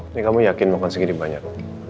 ini kamu yakin makan segini banyak